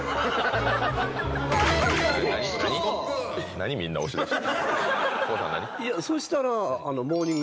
何、みんな押し出して。